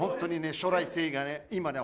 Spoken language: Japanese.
将来性が今ね